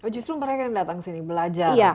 justru mereka yang datang sini belajar